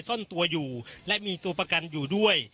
ซ่อนตัวอยู่และมีตัวประกันอยู่ด้วย